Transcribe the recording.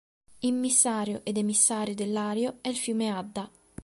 Immissario ed emissario del Lario è il fiume Adda.